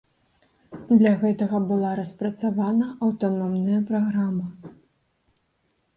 Для гэтага была распрацавана аўтаномная праграма.